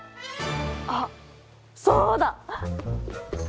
あっそうだ！